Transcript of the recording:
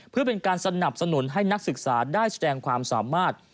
เพื่อเป็นการสนับสนุนให้นักศึกษาได้แสดงความสามารถ